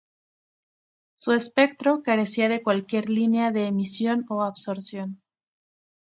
Su espectro carecía de cualquier línea de emisión o absorción.